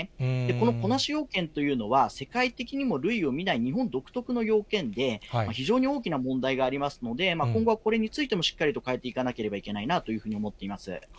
この子なし要件っていうのは世界的にも類を見ない日本独特の要件で、非常に大きな問題がありますので、そこはこれについてもしっかりと、変えていかなければいけないなというふうに思っています。